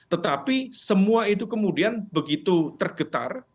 tetapi semua itu kemudian begitu tergetar